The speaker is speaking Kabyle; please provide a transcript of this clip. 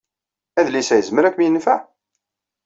Adlis-a yezmer ad kem-yenfeɛ?